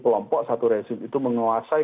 kelompok satu resim itu menguasai